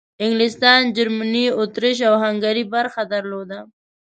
انګلستان، جرمني، اطریش او هنګري برخه درلوده.